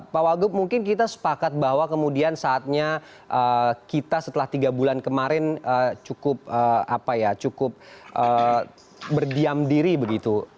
pak wagub mungkin kita sepakat bahwa kemudian saatnya kita setelah tiga bulan kemarin cukup berdiam diri begitu